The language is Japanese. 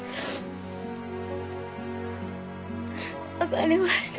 分かりました。